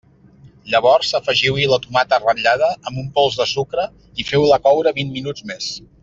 Llavors afegiu-hi la tomata ratllada amb un pols de sucre i feu-la coure vint minuts més.